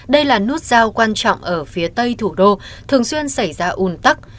đây là nút giao quan trọng ở phía tây thủ đô thường xuyên xảy ra ùn tắc